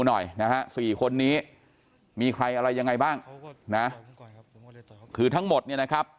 หน่อยนะฮะสี่คนนี้มีใครอะไรยังไงบ้างนะคือทั้งหมดเนี่ยนะครับ